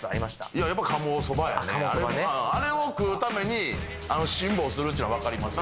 やっぱ鴨そばねあれを食うために辛抱するっちゅうのはわかりますよ